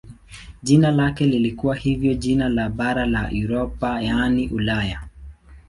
Jina lake lilikuwa hivyo jina la bara la Europa yaani Ulaya.